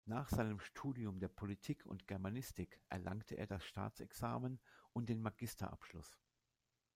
Nach seinem Studium der Politik und Germanistik erlangte er das Staatsexamen und den Magisterabschluss.